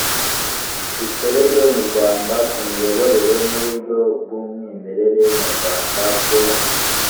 bikorerwa mu rwanda ku miyoborere n uburyo bw umwimerere nyarwanda bwo